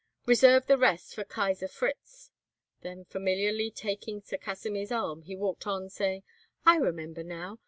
Reserve the rest for Kaisar Fritz." Then, familiarly taking Sir Kasimir's arm, he walked on, saying, "I remember now.